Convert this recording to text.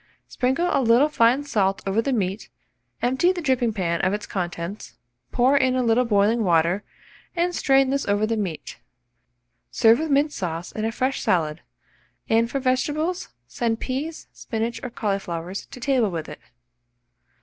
Sprinkle a little fine salt over the meat, empty the dripping pan of its contents; pour in a little boiling water, and strain this over the meat. Serve with mint sauce and a fresh salad, and for vegetables send peas, spinach, or cauliflowers to table with it.